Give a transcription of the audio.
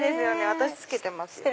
私着けてますよ。